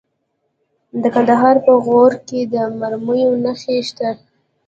د کندهار په غورک کې د مرمرو نښې شته.